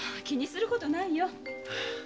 気にすることはないよ。